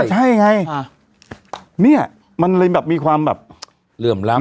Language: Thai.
ใช่ไงเนี่ยมันเลยแบบมีความแบบเหลื่อมล้ำ